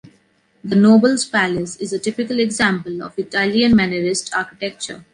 The Nobles Palace is a typical example of Italian mannerist architecture.